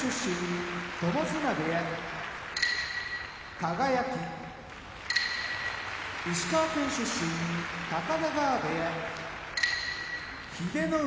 輝石川県出身高田川部屋英乃海